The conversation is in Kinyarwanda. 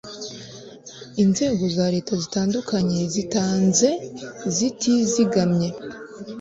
inzego za leta zitandukanye zitanze zitizigamye